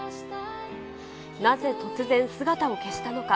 なぜ突然、姿を消したのか。